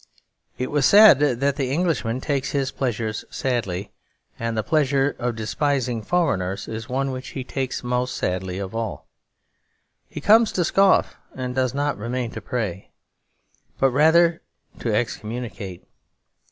It was said that the Englishman takes his pleasures sadly; and the pleasure of despising foreigners is one which he takes most sadly of all. He comes to scoff and does not remain to pray, but rather to excommunicate.